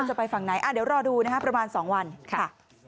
จะไปฝั่งไหนอ่าเดี๋ยวรอดูนะคะประมาณสองวันค่ะ